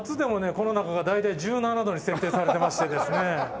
この中が大体１７度に設定されてましてですね。